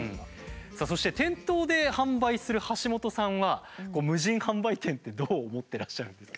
さあそして店頭で販売する橋本さんは無人販売店ってどう思ってらっしゃるんですか？